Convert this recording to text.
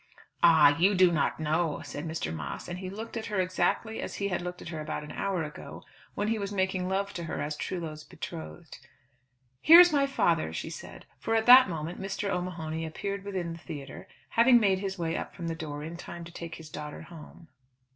"Ah, you do not know," said Mr. Moss. And he looked at her exactly as he had looked about an hour ago, when he was making love to her as Trullo's betrothed. "Here is my father," she said; for at that moment Mr. O'Mahony appeared within the theatre, having made his way up from the door in time to take his daughter home.